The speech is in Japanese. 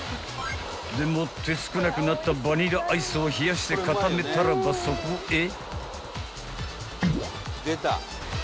［でもって少なくなったバニラアイスを冷やして固めたらばそこへ］